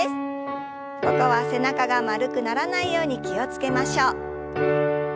ここは背中が丸くならないように気を付けましょう。